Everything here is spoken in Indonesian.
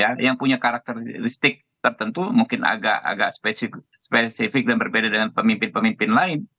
ya yang punya karakteristik tertentu mungkin agak agak spesifik dan berbeda dengan pemimpin pemimpin lain